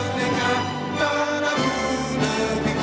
indonesia raya merdeka merdeka